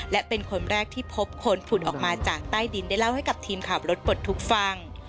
และเป็นคนแรกที่พบคนผุดออกมาจากใต้ดินได้เล่าให้กับทีมขับรถปลดทุกข์ฟัง